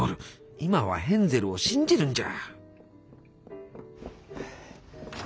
今はヘンゼルを信じるんじゃ。